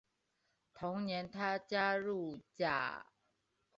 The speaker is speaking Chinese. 同年他加入意甲的乌迪内斯。